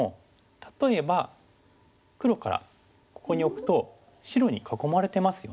例えば黒からここに置くと白に囲まれてますよね。